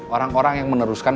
orang orang yang meneruskan